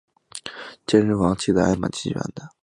健身房器材还蛮齐全的